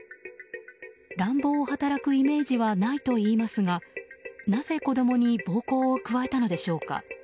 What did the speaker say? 乱暴を働くイメージはないといいますがなぜ子供に暴行を加えたのでしょうか。